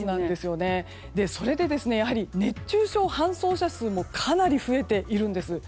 それで、やはり熱中症搬送者数もかなり増えているんです。